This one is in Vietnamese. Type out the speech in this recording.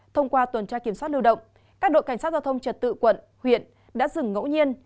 thông qua tuần tra kiểm soát lưu động các đội cảnh sát giao thông trật tự quận huyện đã dừng ngẫu nhiên